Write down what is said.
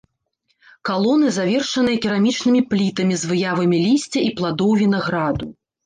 Калоны завершаныя керамічнымі плітамі з выявамі лісця і пладоў вінаграду.